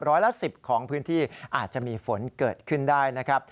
ร้อยละ๑๐ของพื้นที่อาจจะมีฝนเกิดขึ้นได้นะครับ